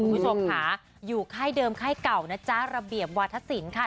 คุณผู้ชมหาอยู่ไข้เดิมไข้เก่านะจ๊ะระเบียบวัฒนศิลป์ค่ะ